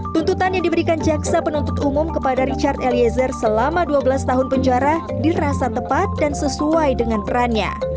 tuntutan yang diberikan jaksa penuntut umum kepada richard eliezer selama dua belas tahun penjara dirasa tepat dan sesuai dengan perannya